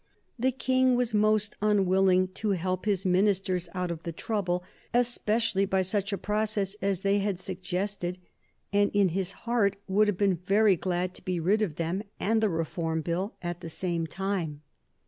The King was most unwilling to help his ministers out of the trouble, especially by such a process as they had suggested, and in his heart would have been very glad to be rid of them and the Reform Bill at the same time.